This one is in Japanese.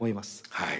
はい。